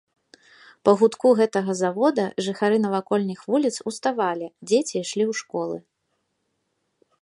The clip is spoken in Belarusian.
Па гудку гэтага завода жыхары навакольных вуліц уставалі, дзеці ішлі ў школы.